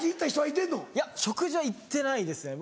いや食事は行ってないですね。